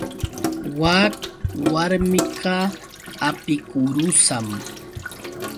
Wak warmiqa apikurusam.